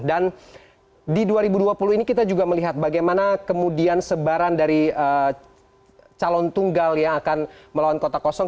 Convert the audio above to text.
dan di dua ribu dua puluh ini kita juga melihat bagaimana kemudian sebaran dari calon tunggal yang akan melawan kota kosong